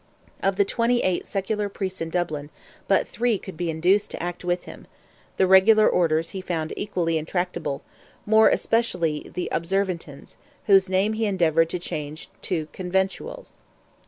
Of the twenty eight secular priests in Dublin, but three could be induced to act with him; the regular orders he found equally intractable—more especially the Observantins, whose name he endeavoured to change to Conventuals.